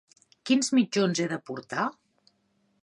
Quins mitjons he de portar?